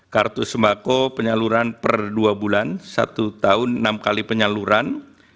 kartu sembako penyaluran per dua bulan satu tahun enam kali penyaluran